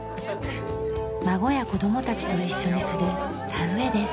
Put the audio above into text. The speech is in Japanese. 孫や子どもたちと一緒にする田植えです。